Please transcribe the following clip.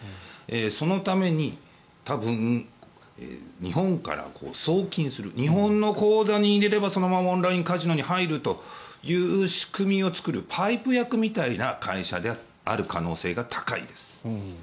そのために多分日本から送金する日本の口座に入れればそのままオンラインカジノに入るという仕組みを作るパイプ役みたいな会社である可能性が高いです。